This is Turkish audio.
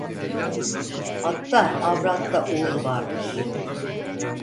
Atta, avratta uğur vardır.